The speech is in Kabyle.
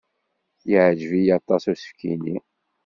Yeɛjeb-iyi aṭas usefk-nni!